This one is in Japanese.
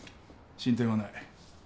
進展はない。